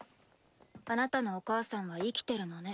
あなたのお母さんは生きてるのね。